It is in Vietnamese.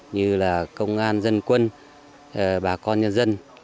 như là công an dân quân bà con nhân dân